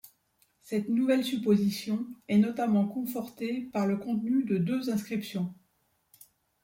Cette nouvelle supposition est notamment confortée par le contenu de deux inscriptions.